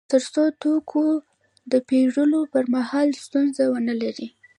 تر څو د توکو د پېرلو پر مهال ستونزه ونلري